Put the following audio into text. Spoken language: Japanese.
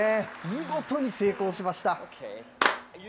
見事に成功しました。